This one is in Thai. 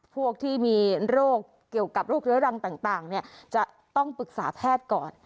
พวกที่มีโรคเกี่ยวกับโรคเรื้อรังต่างจะต้องปรึกษาแพทย์ก่อน